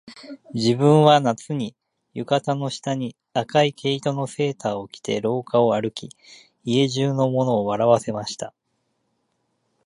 自分は夏に、浴衣の下に赤い毛糸のセーターを着て廊下を歩き、家中の者を笑わせました